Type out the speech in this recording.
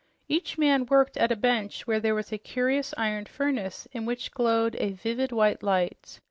Each man worked at a bench where there was a curious iron furnace in which glowed a vivid, white light.